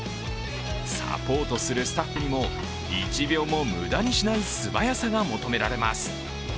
サポートするスタッフにも１秒も無駄にしない素早さが求められます。